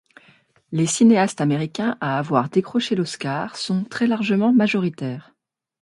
Les cinéastes américains à avoir décroché l'Oscar sont très largement majoritaires.